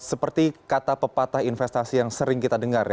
seperti kata pepatah investasi yang sering kita dengar ya